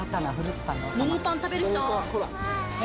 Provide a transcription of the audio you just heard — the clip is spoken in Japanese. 桃パン食べる人？